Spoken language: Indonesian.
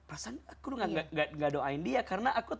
aku gak doain dia karena aku tahu